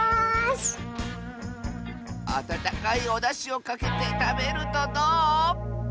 あたたかいおだしをかけてたべるとどう？